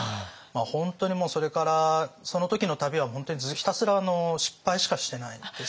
本当にもうそれからその時の旅は本当にひたすら失敗しかしてないですね。